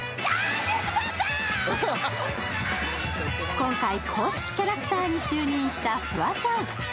今回、公式キャラクターに就任したフワちゃん。